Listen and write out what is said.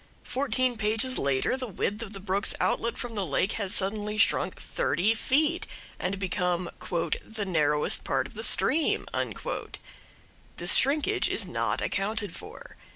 Fourteen pages later the width of the brook's outlet from the lake has suddenly shrunk thirty feet, and become "the narrowest part of the stream." This shrinkage is not accounted for.